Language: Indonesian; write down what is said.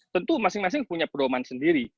tentu masing masing punya pedoman sendiri